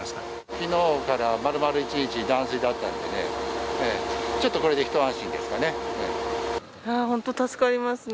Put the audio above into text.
きのうからまるまる一日、断水だったんでね、ちょっとこれ本当、助かりますね。